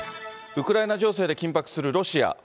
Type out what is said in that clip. ウクライナ情勢で緊迫するロシア。